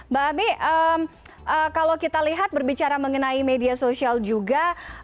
mbak ami kalau kita lihat berbicara mengenai media sosial juga